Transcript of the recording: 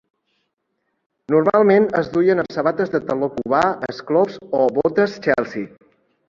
Normalment es duien amb sabates de taló cubà, esclops o botes Chelsea.